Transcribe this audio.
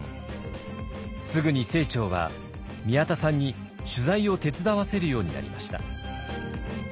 すぐに清張は宮田さんに取材を手伝わせるようになりました。